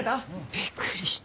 びっくりした。